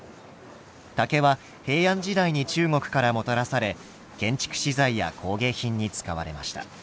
竹は平安時代に中国からもたらされ建築資材や工芸品に使われました。